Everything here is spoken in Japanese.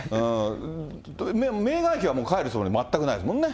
メーガン妃は、もう帰るそぶり、全くないですもんね。